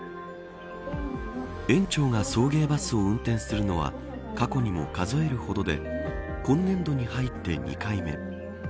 園長が送迎バスを運転するのは過去にも数えるほどで今年度に入って２回目。